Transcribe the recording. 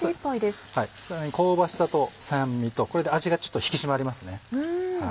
香ばしさと酸味とこれで味がちょっと引き締まります。